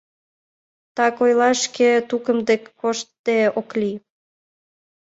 — Так ойлаш, шке тукым дек коштде ок лий.